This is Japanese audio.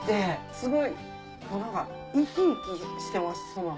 すごい生き生きしてますそばが。